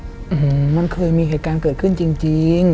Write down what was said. อื้อหือมันเคยมีเหตุการณ์เกิดขึ้นจริง